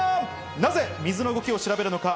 なぜ水の動きを調べるのか？